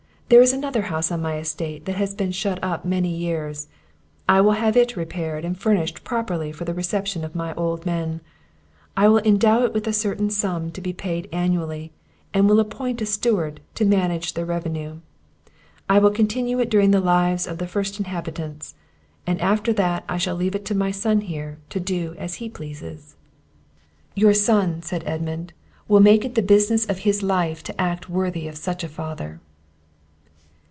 There is another house on my estate that has been shut up many years; I will have it repaired and furnished properly for the reception of my old men: I will endow it with a certain sum to be paid annually, and will appoint a steward to manage their revenue; I will continue it during the lives of the first inhabitants, and after that I shall leave it to my son here, to do as he pleases." "Your son," said Edmund, "will make it the business of his life to act worthy of such a father."